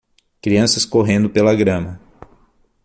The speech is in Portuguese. Crianças correndo pela grama.